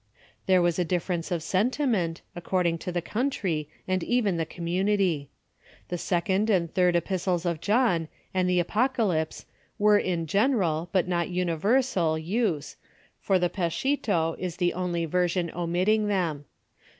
There was a difference of sentiment, according to the country, and even the community. The Second and Third Epistles of John and the Apocalyj^se were in general, but not universal, use, for the Peshito is the only version omitting them.